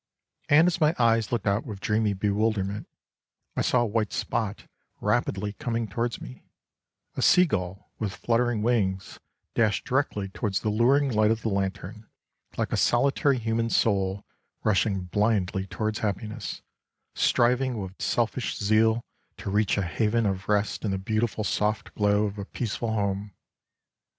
And as my eyes looked out with dreamy bewilderment, I saw a white spot rapidly coming towards me : a sea gull with fluttering wings dashed directly towards the luring light of the lantern, like a solitary human soul rushing blindly towards happiness, striving with selfish zeal to reach a haven of rest in the beautiful soft glow of a peace ful home.